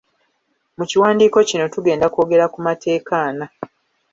Mu kiwandiiko kino tugenda kwogera ku mateeka ana